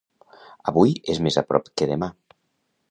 Avui és més a prop que demà.